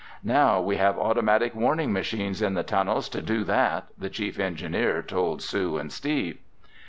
"Now we have automatic warning machines in the tunnels to do that," the chief engineer told Sue and Steve.